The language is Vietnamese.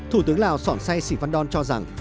thủ tướng lào sòn say sì phan đon cho rằng